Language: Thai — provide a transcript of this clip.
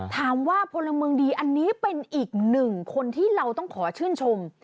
พลเมืองดีอันนี้เป็นอีกหนึ่งคนที่เราต้องขอชื่นชม